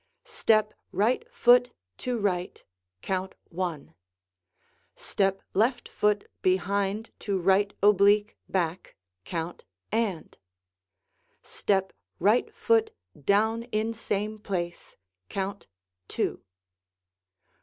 Step right foot to right, count "one"; step left foot behind to right oblique back, count "and"; step right foot down in same place, count "two."